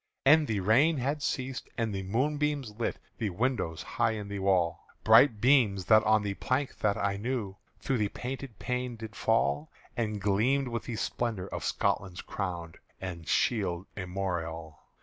And the rain had ceased, and the moonbeams lit The window high in the wall Bright beams that on the plank that I knew Through the painted pane did fall And gleamed with the splendour of Scotland's crown And shield armorial.